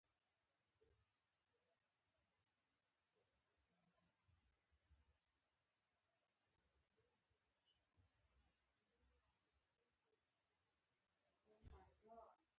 سېرېنا يې د غومبري تور خال ته ځير شوه.